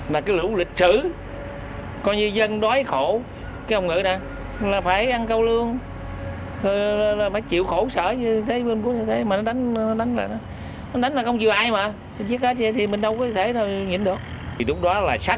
mà cái lũ lịch sử coi như dân đói khổ cái hồng ngự này